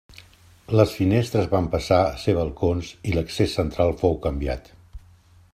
Les finestres van passar a ser balcons i l'accés central fou canviat.